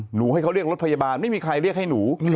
หนูให้เขาเรียกรถพยาบาลไม่มีใครเรียกให้หนู